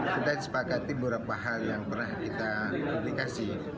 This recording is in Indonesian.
sudah disepakati beberapa hal yang pernah kita publikasi